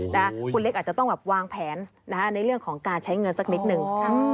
คุณเล็กอาจจะต้องแบบวางแผนในเรื่องของการใช้เงินสักนิดนึง